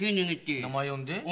名前呼んで？